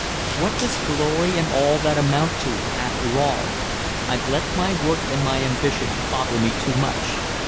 What does glory and all that amount to, after all? I've let my work and my ambition bother me too much.